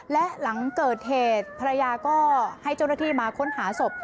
และหลังเกิดเหตุภรรยาก็ให้โจรธิมาค้นหาศพ